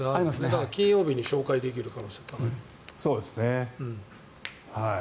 だから、金曜日に紹介できる可能性が高い。